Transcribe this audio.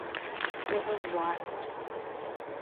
It was wild.